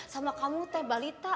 sama kamu teh balita